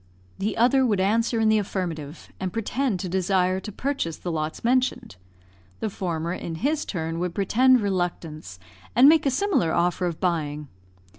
The other would answer in the affirmative, and pretend to desire to purchase the lots mentioned. The former, in his turn, would pretend reluctance, and make a similar offer of buying.